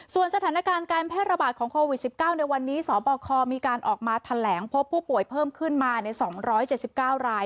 ส่วนสถานการณ์การแพร่ระบาดของโควิด๑๙ในวันนี้สบคมีการออกมาแถลงพบผู้ป่วยเพิ่มขึ้นมาใน๒๗๙ราย